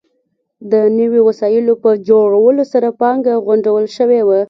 د نویو وسایلو په جوړولو سره پانګه غونډول شوې وه.